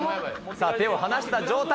手を離した状態